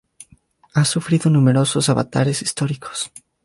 Ha sufrido numerosos avatares históricos.